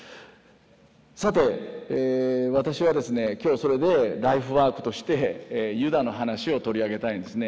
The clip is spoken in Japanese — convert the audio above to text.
さて私はですね今日それでライフワークとしてユダの話を取り上げたいんですね。